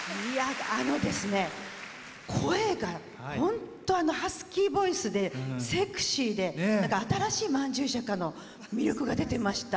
声が本当ハスキーボイスでセクシーで新しい「曼珠沙華」の魅力が出てました。